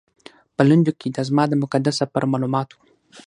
په لنډو کې دا زما د مقدس سفر معلومات و.